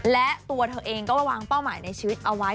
และตัวเธอเองก็ระวังเป้าหมายในชีวิตเอาไว้